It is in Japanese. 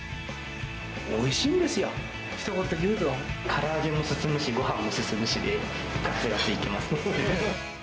おいしいんですよ、ひと言でから揚げも進むし、ごはんも進むしで、がつがついけますね。